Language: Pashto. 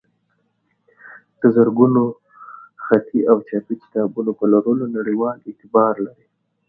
د زرګونو خطي او چاپي کتابونو په لرلو نړیوال اعتبار لري.